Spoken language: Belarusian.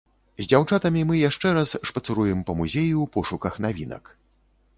З дзяўчатамі мы яшчэ раз шпацыруем па музеі ў пошуках навінак.